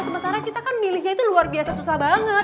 sementara kita kan milihnya itu luar biasa susah banget